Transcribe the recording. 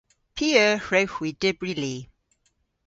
P'eur hwrewgh hwi dybri li?